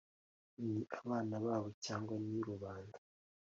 Ni abana babo cyangwa ni rubanda